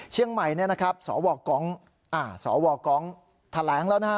เชียงใหม่นะครับสวกอ่าสวกแถลงแล้วนะฮะ